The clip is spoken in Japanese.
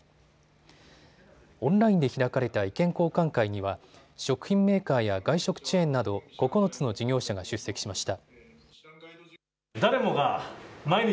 オンラインで開かれた意見交換会には食品メーカーや外食チェーンなど、９つの事業者が出席しました。